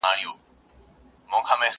خپل اولاد وږي زمري ته په خوله ورکړم.!